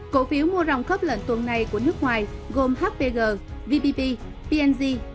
cổ phiếu mua rồng khớp lệnh tuần này của nước ngoài gồm hpg vbp p g